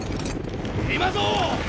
今ぞ！